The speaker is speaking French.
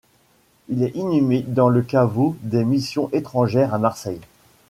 Il est inhumé dans le caveau des Missions Étrangères à Marseille.